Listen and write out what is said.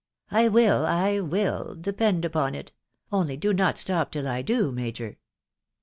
" I will, I will .... depend upon it, .... only do not stop till I do, major."